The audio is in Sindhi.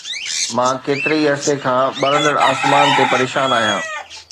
مان ڪيتري ئي عرصي کان ٻرندڙ آسمان تي پريشان آهيان